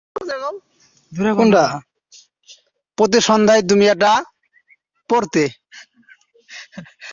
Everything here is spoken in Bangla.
প্রতি সন্ধ্যায় তুমি এটা পরতে।